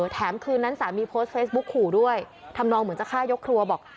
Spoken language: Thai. แถมคืนนั้นสามีโพสต์เฟซบุ๊กขู่ด้วยทำนองเหมือนจะฆ่ายกครัวบอก